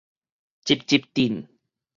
集集鎮